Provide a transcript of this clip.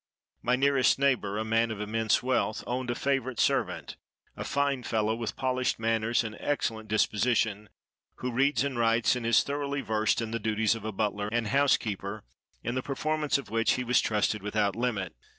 My nearest neighbor, a man of immense wealth, owned a favorite servant, a fine fellow, with polished manners and excellent disposition, who reads and writes, and is thoroughly versed in the duties of a butler and housekeeper, in the performance of which he was trusted without limit.